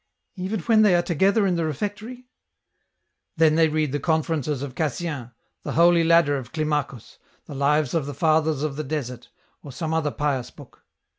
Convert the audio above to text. " Even when they are together in the refectory ?" 198 EN ROUTE. " Then they read the Conferences of Cassien, the ' Holy Ladder ' of Climacus, the Lives of the Fathers of the Desert, or some other pious book."